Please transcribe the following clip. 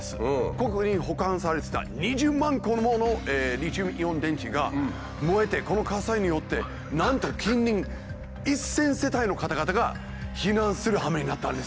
ここに保管されてた２０万個ものリチウムイオン電池が燃えてこの火災によってなんと近隣１，０００世帯の方々が避難するはめになったんですよ。